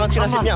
begitau gini yah